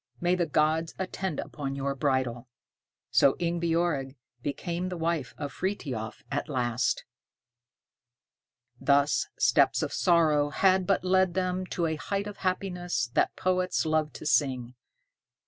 May the gods attend upon your bridal." So Ingebjorg became the wife of Frithiof at last. Thus steps of sorrow had but led them to a height of happiness that poets love to sing.